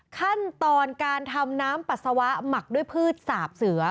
ขั้นตอนการทำน้ำปัสสาวะหมักด้วยพืชสาบเสือ